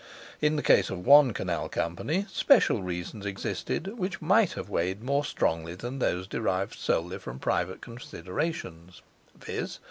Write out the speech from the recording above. In the case of one Canal Company, special reasons existed which might have weighed more strongly than those derived solely from private considerations; viz.